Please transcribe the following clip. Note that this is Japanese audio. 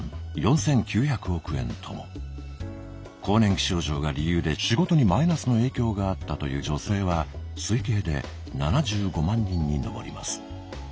更年期症状が理由で仕事にマイナスの影響があったという女性は推計で７５万人に上ります。